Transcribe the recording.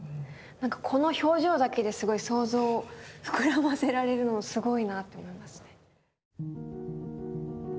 この表情だけですごい想像を膨らませられるのもすごいなと思いますね。